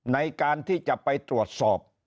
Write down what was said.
ในการที่จะไปตรวจสอบ